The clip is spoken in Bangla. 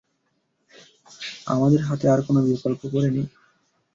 আমাদের হাতে আর কোনো বিকল্প পড়ে নেই!